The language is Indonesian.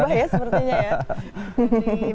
dia berubah ya sepertinya ya